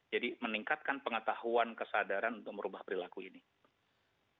jadi meningkatkan pengetahuan kesadaran untuk merubah perilaku ini